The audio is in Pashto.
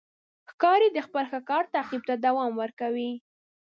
ښکاري د خپل ښکار تعقیب ته دوام ورکوي.